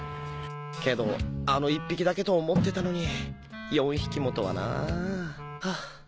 けどあの１匹だけと思ってたのに４匹もとはなぁハァ。